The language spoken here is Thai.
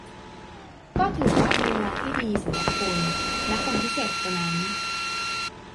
ก็ถือว่าเป็นเวลาที่ดีสำหรับคุณและคนพิเศษคนนั้น